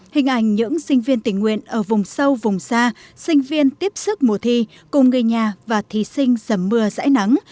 hình ảnh những sinh viên tình nguyện ở vùng sâu vùng xa sinh viên tiếp sức mùa thi cùng người nhà và thí sinh dầm mưa dãi nắng